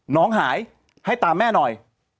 น้องหายให้ตามแม่หน่อย